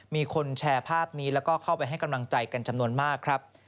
มีคนแชร์ภาพนี้แล้วก็เข้าไปให้กำลังใจกันจำนวนมากครับ